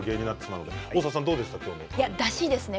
だしですね